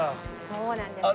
そうなんです。